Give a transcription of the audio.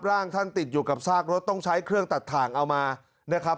ร่างท่านติดอยู่กับซากรถต้องใช้เครื่องตัดถ่างเอามานะครับ